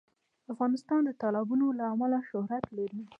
افغانستان د تالابونه له امله شهرت لري.